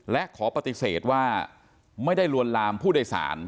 และขอปฏิเสธว่าไม่ได้ลวนลามผู้โดยสาร